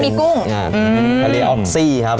สวัสดีครับ